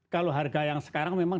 kalau harga yang sekarang memang